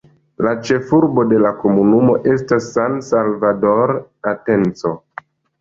La ĉefurbo de la komunumo estas San Salvador Atenco.